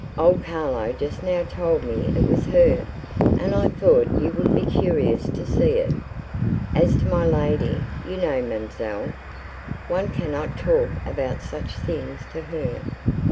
Old Carlo just now told me it was her, and I thought you would be curious to see it. As to my lady, you know, ma'amselle, one cannot talk about such things to her."